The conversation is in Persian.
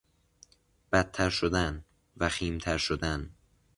بدتر شدن، وخیمتر شدن